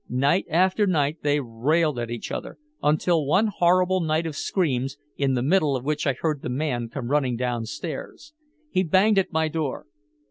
Night after night they railed at each other, until one horrible night of screams, in the middle of which I heard the man come running downstairs. He banged at my door.